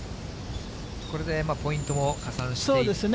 これでポイントも加算していって。